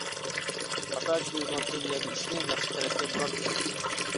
خاتا چۈشىنىلىدىغان سۆز ياكى ئىشنى ياخشى تەرەپكە بۇراپ چۈشەندۈرىدۇ.